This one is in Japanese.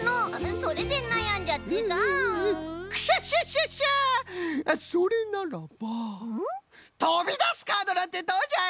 それならば「とびだすカード」なんてどうじゃい？